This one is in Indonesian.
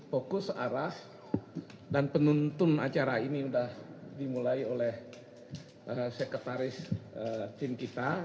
fokus arah dan penuntun acara ini sudah dimulai oleh sekretaris tim kita